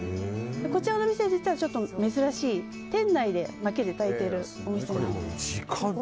こちらのお店実はちょっと珍しい店内で、まきで炊いているお店で。